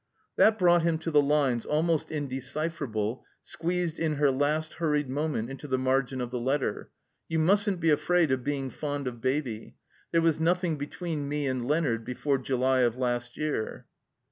That brought him to the lines, almost indecipher able, squeezed in her last hurried moment into the margin of the letter. "You mustn't be afraid of being fond of Baby. There was nothing between me and Leonard before July of last year."